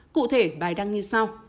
cụ thể bài đăng như sau